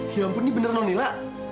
hyu ampun ini bener nonila